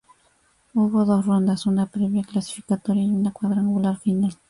Hubo dos rondas, una previa clasificatoria y un cuadrangular final.